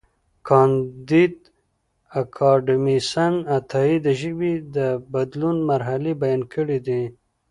کانديد اکاډميسن عطايي د ژبې د بدلون مرحلې بیان کړې دي.